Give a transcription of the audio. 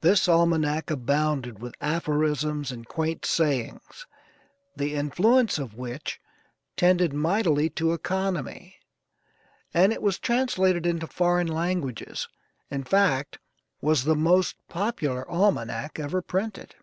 This almanac abounded with aphorisms and quaint sayings, the influence of which tended mightily to economy, and it was translated into foreign languages, in fact was the most popular almanac ever printed.